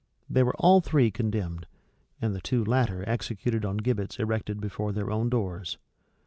They were all three condemned, and the two latter executed on gibbets erected before their own doors.